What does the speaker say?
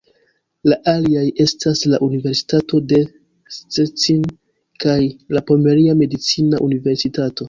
La aliaj estas la Universitato de Szczecin kaj la Pomeria Medicina Universitato.